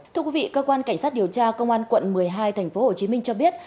thưa quý vị cơ quan cảnh sát điều tra công an quận một mươi hai tp hcm cho biết